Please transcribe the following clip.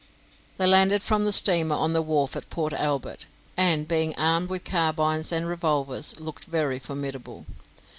They landed from the steamer on the wharf at Port Albert, and, being armed with carbines and revolvers, looked very formidable.